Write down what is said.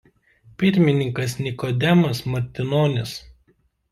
Pirmininkas Nikodemas Martinonis.